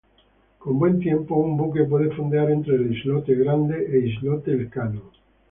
Con buen tiempo un buque puede fondear entre el islote Grande e islote Elcano.